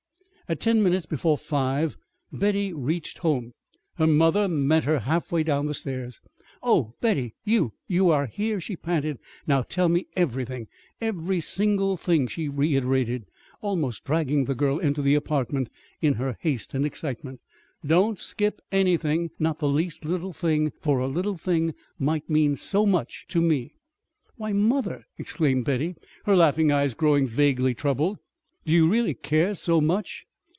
At ten minutes before five Betty reached home. Her mother met her halfway down the stairs. "Oh, Betty, you you are here!" she panted. "Now, tell me everything every single thing," she reiterated, almost dragging the girl into the apartment, in her haste and excitement. "Don't skip anything not the least little thing; for a little thing might mean so much to me." "Why, mother!" exclaimed Betty, her laughing eyes growing vaguely troubled. "Do you really care so much?"